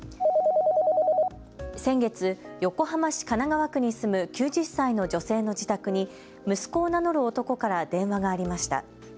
先月、横浜市神奈川区に住む９０歳の女性の自宅に息子を名乗る男から電話がありました。